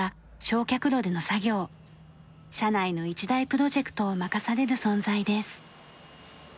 社内の一大プロジェクトを任される存在です。